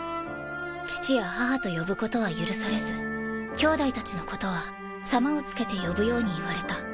父や母と呼ぶことは許されず兄弟たちのことは「様」を付けて呼ぶように言われた。